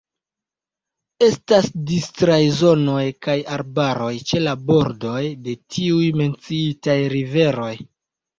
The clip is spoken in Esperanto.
Estas distraj zonoj kaj arbaroj ĉe la bordoj de tiuj menciitaj riveroj.